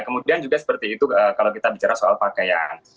kemudian juga seperti itu kalau kita bicara soal pakaian